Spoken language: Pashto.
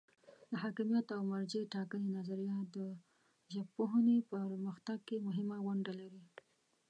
د حاکمیت او مرجع ټاکنې نظریه د ژبپوهنې په پرمختګ کې مهمه ونډه لري.